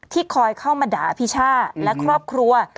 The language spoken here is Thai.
คอยเข้ามาด่าพี่ช่าและครอบครัว